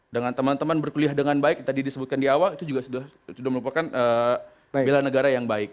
dengan teman teman berkuliah dengan baik tadi disebutkan di awal itu juga sudah merupakan bela negara yang baik